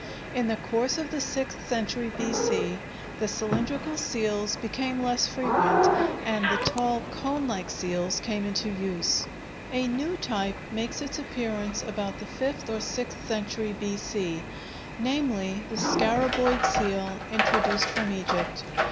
In the course of the sixth century B.C. the cylindrical seals became less frequent, and the tall cone like seals came into use. A new type makes its appearance about the fifth or sixth century B.C., namely, the scaraboid seal introduced from Egypt.